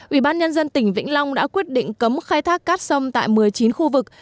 ubnd tỉnh vĩnh long đã quyết định cấm khai thác cát sông tại một mươi chín khu vực